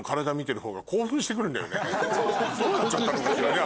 どうなっちゃったのかしらね？